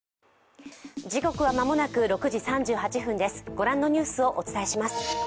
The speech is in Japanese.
ご覧のニュースをお伝えします。